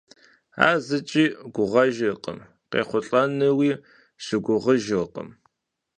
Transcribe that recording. Ар зыкӏи гугъэжыркъым, къехъулӀэну щыгугъыжыркъым.